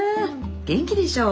元気でしょ？